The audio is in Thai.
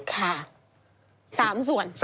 ค่ะ๓ส่วน